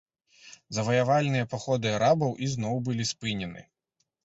Заваявальныя паходы арабаў ізноў былі спынены.